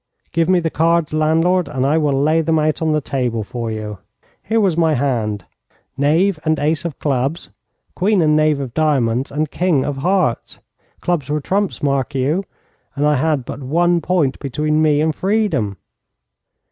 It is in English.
Give me the cards, landlord, and I will lay them out on the table for you. Here was my hand: knave and ace of clubs, queen and knave of diamonds, and king of hearts. Clubs were trumps, mark you, and I had but one point between me and freedom.